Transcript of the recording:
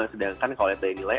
sedangkan kalau dari nilai